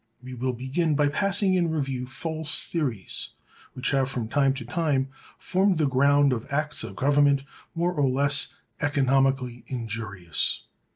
We will begin by passing in review false theories which have from time to time formed the ground of acts of government more or less economically injurious.